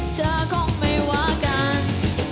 เธอคงไม่ว่ากัน